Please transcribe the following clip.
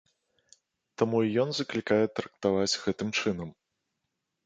Таму і ён заклікае трактаваць гэтым чынам.